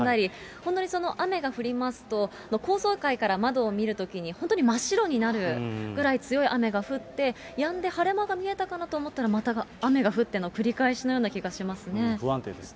本当に雨が降りますと、高層階から窓を見るときに、本当に真っ白になるぐらい強い雨が降って、やんで、晴れ間が見えたかなと思ったら、また雨が降っての繰り返しのような気がしますね。